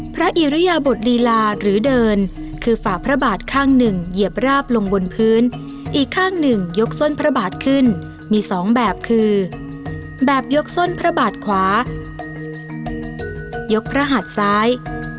พระอิริยบทลีลาหรือเดินคือฝาพระบาทข้างหนึ่งเหยียบราบลงบนพื้นอีกข้างหนึ่งยกส้นพระบาทขึ้นมีสองแบบคือแบบยกส้นพระบาทขวายกพระหัดซ้าย